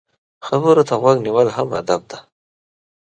خبرو ته غوږ نیول هم ادب دی.